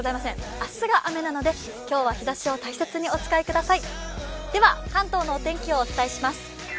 明日が雨なので今日は日ざしを大切にお使いください。